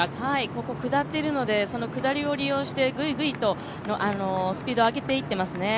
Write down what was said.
ここ、下っているので、その下りを利用してグイグイと上げていっていますね。